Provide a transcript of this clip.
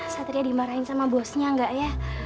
satria dimarahin sama bosnya enggak ya